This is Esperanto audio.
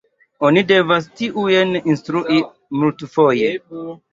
Oni devas tiujn instrui multfoje.